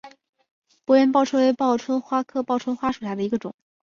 波缘报春为报春花科报春花属下的一个种。